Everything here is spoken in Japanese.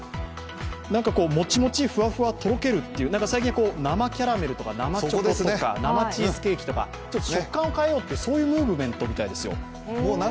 もちもち、フワフワ、とろけるという最近生キャラメル、生チョコとか生チーズケーキとか食感を変えようというムーブメントみたいですよ。